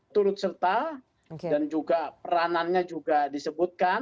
turut serta dan juga peranannya juga disebutkan